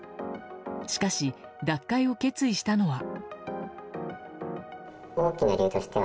しかし、脱会を決意したのは。